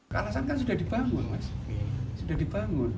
kalasan kan sudah dibangun